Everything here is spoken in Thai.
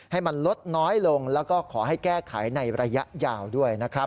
ให้มันลดน้อยลงแล้วก็ขอให้แก้ไขในระยะยาวด้วยนะครับ